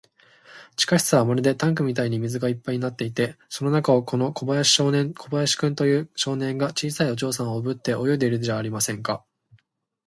地下室はまるでタンクみたいに水がいっぱいになっていて、その中を、この小林君という少年が、小さいお嬢さんをおぶって泳いでいるじゃありませんか。